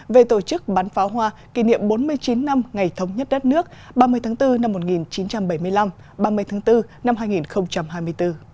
về tổ chức bắn pháo hoa kỷ niệm bốn mươi chín năm ngày thống nhất đất nước ba mươi tháng bốn năm một nghìn chín trăm bảy mươi năm ba mươi tháng bốn năm hai nghìn hai mươi bốn